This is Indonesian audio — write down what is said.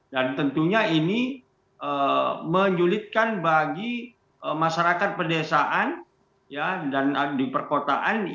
dan tentunya ini menyulitkan bagi masyarakat pedesaan dan di perkotaan